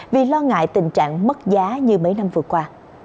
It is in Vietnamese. vì lo ngại tình trạng mất giá như mấy năm vừa qua